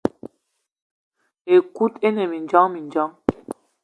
Ekut ine mindjong mindjong.